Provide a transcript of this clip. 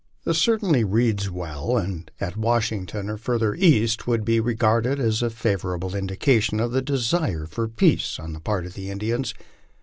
This certainly reads well, and at Washington o* farther east would be re garded as a favorable indication of the desire for peace on the part of the In dians.